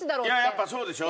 やっぱそうでしょ？